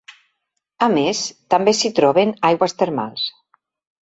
A més, també s'hi troben aigües termals.